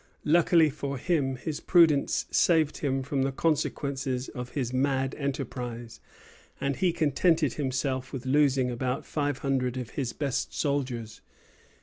Luckily for him, his prudence saved him from the consequences of his mad enterprise, and he contented himself with losing about five hundred of his best soldiers.